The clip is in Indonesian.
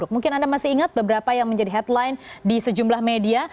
mungkin anda masih ingat beberapa yang menjadi headline di sejumlah media